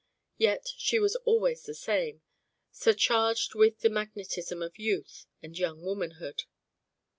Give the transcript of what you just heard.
Yet she was always the same, surcharged with the magnetism of youth and young womanhood.